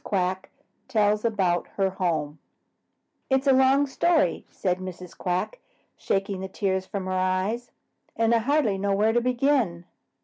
QUACK TELLS ABOUT HER HOME "It's a long story," said Mrs. Quack, shaking the tears from her eyes, "and I hardly know where to begin."